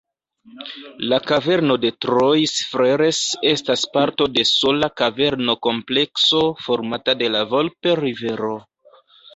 La Kaverno de Trois-Freres estas parto de sola kaverno-komplekso formata de la Volp-rivero.